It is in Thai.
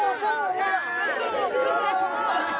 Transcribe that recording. ไม่อยากให้เข้ามาทำงานอีแฮนด์